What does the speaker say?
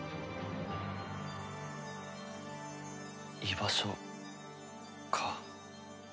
居場所か。